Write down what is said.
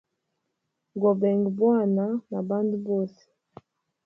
Gobenga bwana na bandu bose.